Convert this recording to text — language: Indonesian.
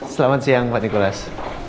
selamat siang pak nicholas